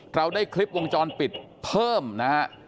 เราได้คลิปวงจรปิดเพิ่มนะฮะ